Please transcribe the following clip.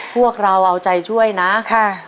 พวกเราเอาใจช่วยนะค่ะ